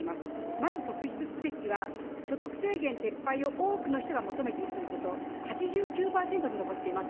まず特筆すべきは、所得制限撤廃を多くの人が求めているということ、８９％に上っています。